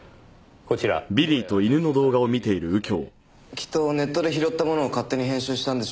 きっとネットで拾ったものを勝手に編集したんでしょう。